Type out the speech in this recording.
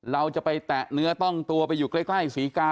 เราจะไปแตะเนื้อต้องตัวไปอยู่ใกล้ศรีกา